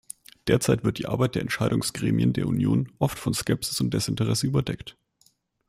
Derzeit wird die Arbeit der Entscheidungsgremien der Union oft von Skepsis und Desinteresse überdeckt.